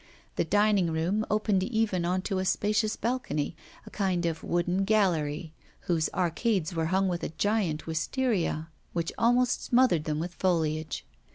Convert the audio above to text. The dining room opened even on to a spacious balcony, a kind of wooden gallery, whose arcades were hung with a giant wistaria which almost smothered them with foliage.